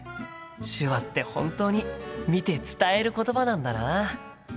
手話って本当に見て伝えることばなんだな。